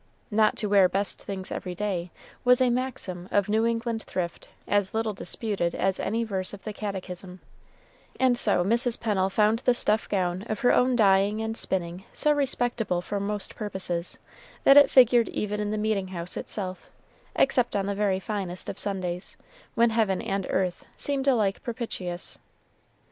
Not to wear best things every day was a maxim of New England thrift as little disputed as any verse of the catechism; and so Mrs. Pennel found the stuff gown of her own dyeing and spinning so respectable for most purposes, that it figured even in the meeting house itself, except on the very finest of Sundays, when heaven and earth seemed alike propitious.